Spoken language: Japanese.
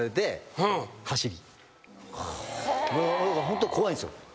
ホント怖いんすよ。